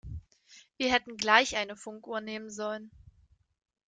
Wir hätten gleich eine Funkuhr nehmen sollen.